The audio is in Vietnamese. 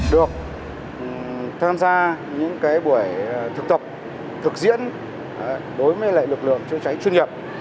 được tham gia những cái buổi thực tập thực diễn đối với lại lực lượng chữa cháy chuyên nghiệp